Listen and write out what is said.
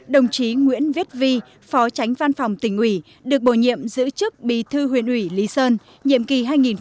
đồng chí nguyễn viết vi phó tránh văn phòng tỉnh ủy được bổ nhiệm giữ chức bí thư huyện ủy lý sơn nhiệm kỳ hai nghìn một mươi năm hai nghìn hai mươi